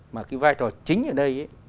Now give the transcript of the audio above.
mà cái vai trò chính ở đây